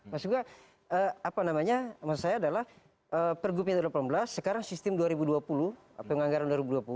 maksudnya apa namanya maksud saya adalah pergubnya dua ribu delapan belas sekarang sistem dua ribu dua puluh penganggaran dua ribu dua puluh